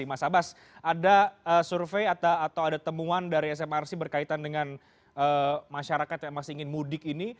mas abbas ada survei atau ada temuan dari smrc berkaitan dengan masyarakat yang masih ingin mudik ini